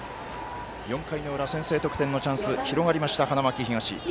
４Ｋの裏、先制得点のチャンス広がりました、花巻東。